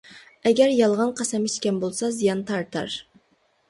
ئەگەر يالغان قەسەم ئىچكەن بولسا، زىيان تارتار.